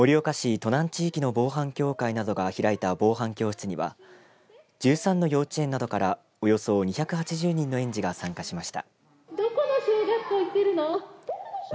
都南地域の防犯協会などが開いた防犯教室には１３の幼稚園などからおよそ２８０人の園児が参加しました。